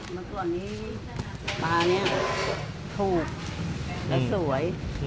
เมื่อก่อนนี้ปลานี้ถูกและสวย